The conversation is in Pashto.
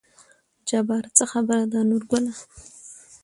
جبار : څه خبره ده نورګله